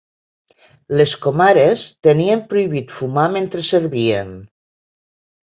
Les comares tenien prohibit fumar mentre servien.